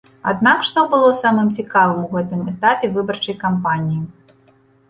Аднак што было самым цікавым у гэтым этапе выбарчай кампаніі?